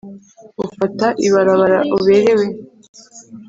Ufata ibarabara uberewe